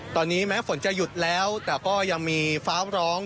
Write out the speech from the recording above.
ตอนนี้แม้ฝนจะหยุดแล้วแต่ก็ยังมีฟ้าร้อง